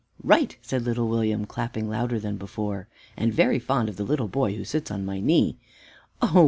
"Right," said little William, clapping louder than before. "And very fond of the little boy who sits on my knee." "Oh!